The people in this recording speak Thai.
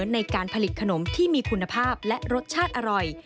ในการผลิตขนมที่มีคุณภาพและรสชาติอร่อย